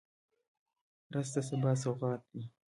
رس د سبا سوغات دی